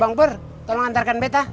bang pur tolong antarkan peta